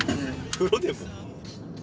風呂でも？